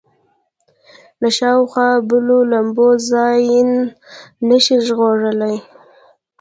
له شاوخوا بلو لمبو ځان نه شي ژغورلی.